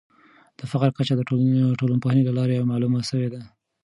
د فقر کچه د ټولنپوهني له لارې معلومه سوې ده.